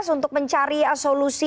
untuk mencari solusi